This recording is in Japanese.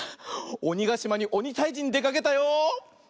おにがしまにおにたいじにでかけたよ。